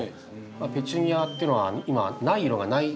ペチュニアっていうのは今ない色がないぐらいですね